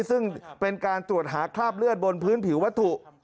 ซึ่งเป็นการตรวจหาคราบเลือดบนพื้นผิววัตถุ